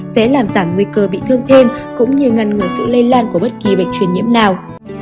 sẽ làm giảm nguy cơ bị thương thêm cũng như ngăn ngừa sự lây lan của bất kỳ bệnh truyền nhiễm nào